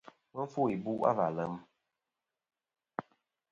Mɨ fu ibu' a va lem sɨ̂ wul.